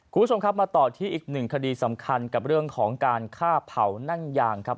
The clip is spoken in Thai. คุณผู้ชมครับมาต่อที่อีกหนึ่งคดีสำคัญกับเรื่องของการฆ่าเผานั่งยางครับ